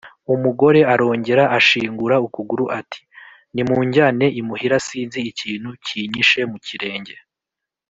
Umugore arongera ashingura ukuguru ati: "Nimunjyane imuhira, sinzi ikintu kinyishe mu kirenge."